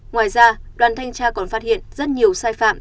ngoài ra đoàn thanh tra còn phát hiện rất nhiều sai phạm